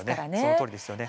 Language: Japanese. そのとおりです。